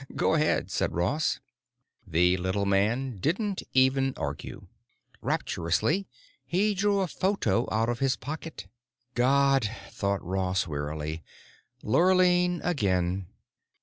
"Go ahead," said Ross. The little man didn't even argue. Rapturously he drew a photo out of his pocket. God, thought Ross wearily, Lurline again!